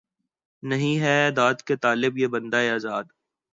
نہیں ہے داد کا طالب یہ بندۂ آزاد